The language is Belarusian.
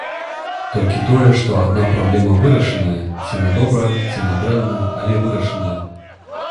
Толькі тое, што адна праблема вырашаная, ці на добра, ці на дрэнна, але вырашаная!